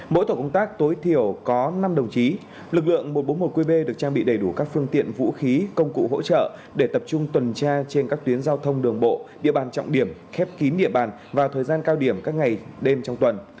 mỗi tổ công tác tối thiểu có năm đồng chí lực lượng một trăm bốn mươi một qb được trang bị đầy đủ các phương tiện vũ khí công cụ hỗ trợ để tập trung tuần tra trên các tuyến giao thông đường bộ địa bàn trọng điểm khép kín địa bàn vào thời gian cao điểm các ngày đêm trong tuần